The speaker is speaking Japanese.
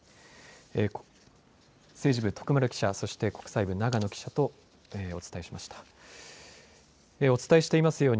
政治部、徳丸記者、そして国際部、長野記者とお伝えしました。